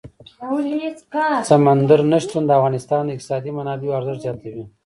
سمندر نه شتون د افغانستان د اقتصادي منابعو ارزښت زیاتوي.